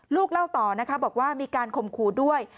ลูกเล่าต่อนะคะบอกว่ามีการข่มขู่ด้วย